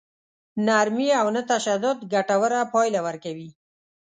نرمي او نه تشدد ګټوره پايله ورکوي.